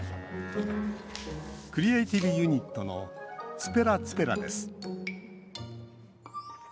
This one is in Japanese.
クリエーティブユニットのｔｕｐｅｒａｔｕｐｅｒａです。